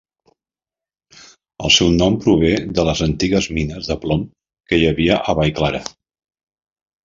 El seu nom prové de les antigues mines de plom que hi havia a Vallclara.